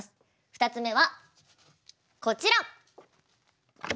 ２つ目はこちら。